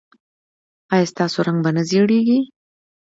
ایا ستاسو رنګ به نه زیړیږي؟